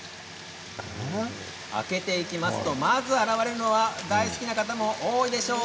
開けていきますとまず現れるのが大好きな方も多いでしょう。